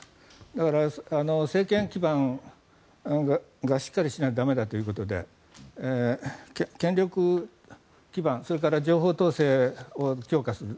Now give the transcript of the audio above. だから、政権基盤がしっかりしてないと駄目だということで権力基盤それから情報統制を強化する。